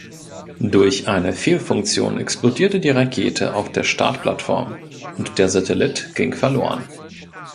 Durch eine Fehlfunktion explodierte die Rakete auf der Startplattform und der Satellit ging verloren.